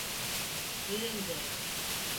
Crida en Joe.